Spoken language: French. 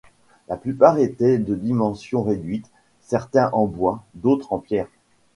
La plupart était de dimension réduite, certains en bois, d'autres en pierre.